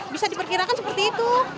bisa diperkirakan seperti itu